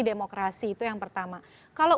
demokrasi itu yang pertama kalau